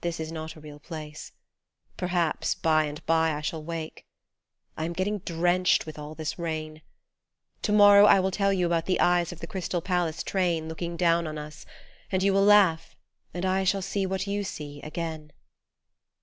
This is not a real place ; perhaps by and by I shall wake I am getting drenched with all this rain : To morrow I will tell you about the eyes of the Crystal Palace train Looking down on us, and you will laugh and I shall see what you see again.